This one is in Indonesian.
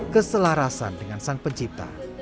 keselarasan dengan sang pencipta